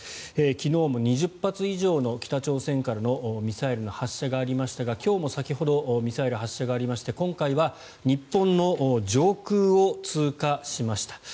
昨日も２０発以上の北朝鮮からのミサイル発射がありましたが今日も先ほどミサイルの発射がありまして今回は日本の上空を通過しました。